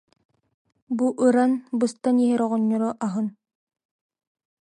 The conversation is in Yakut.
Бу ыран, быстан иһэр оҕонньору аһын